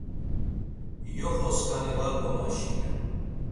Yoxo-skani var gomaşinen.